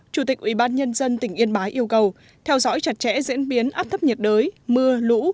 chủ tịch ubnd tỉnh yên bái yêu cầu theo dõi chặt chẽ diễn biến áp thấp nhiệt đới mưa lũ